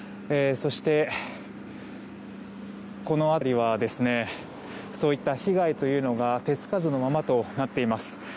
そして、この辺りはそういった被害というのが手つかずのままとなっています。